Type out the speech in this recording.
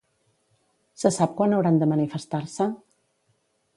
Se sap quan hauran de manifestar-se?